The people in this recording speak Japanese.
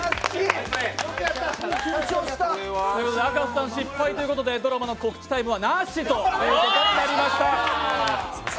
赤楚さん失敗ということで、ドラマの告知タイムはなしということになりました。